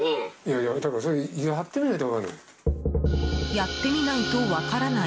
やってみないと分からない。